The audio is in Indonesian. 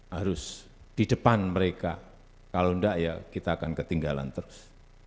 harus di depan mereka kalau enggak ya kita akan ketinggalan terus